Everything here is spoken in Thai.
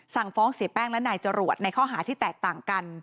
สั่งฟ้องเสียแป้งและนายจรวดในข้อหาที่แตกต่างกัน